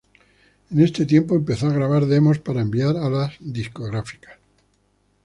En este tiempo, empezó a grabar demos para enviar a las discográficas.